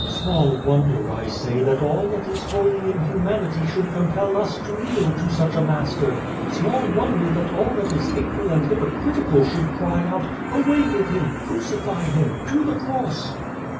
" Small wonder, I say, that all that is holy in humanity should compel us to kneel to such a Master ; small wonder that all that is hateful and hypocritical should cry out 'Away with Him! Crucify Him! To the cross.'